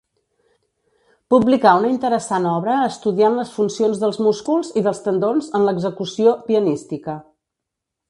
Publicà una interessant obra estudiant les funcions dels músculs i dels tendons en l'execució pianística.